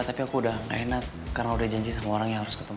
tapi aku udah gak enak karena udah janji sama orang yang harus ketemu